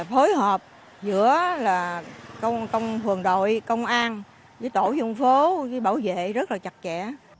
phối hợp giữa công phường đội công an với tổ dân phố với bảo vệ rất là chặt chẽ